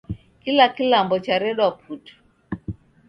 Kila kilambo charedwa putu